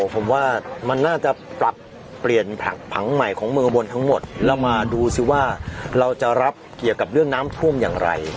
ผมว่ามันน่าจะปรับเปลี่ยนผังใหม่ของเมืองอุบลทั้งหมดแล้วมาดูสิว่าเราจะรับเกี่ยวกับเรื่องน้ำท่วมอย่างไร